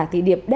thì điệp đe dọa